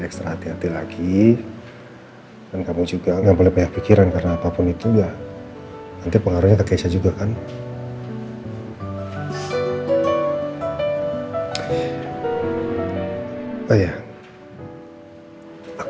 sampai jumpa di video selanjutnya